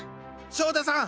翔太さん